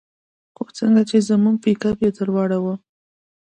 خو څنگه چې زموږ پېکپ يې ودراوه.